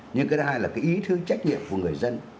nhưng cái thứ hai là cái ý thương trách nhiệm của người dân